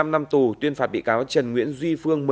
một mươi năm năm tù tuyên phạt bị cáo trần nguyễn duy phương